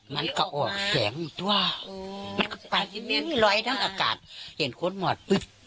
มันก็ออกแสงด้วยมันก็ไปล้อยทั้งอากาศเห็นคนหมอปิ๊บ